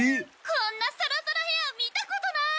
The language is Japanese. こんなサラサラヘア見たことない！